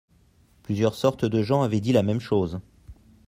Plusieurs sortes de gens avaient dis la même chose.